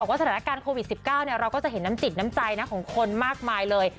สถานการณ์โควิด๑๙เราก็จะเห็นน้ำจิตน้ำใจนะของคนมากมายเลย